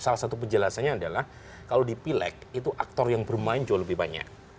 salah satu penjelasannya adalah kalau di pileg itu aktor yang bermain jauh lebih banyak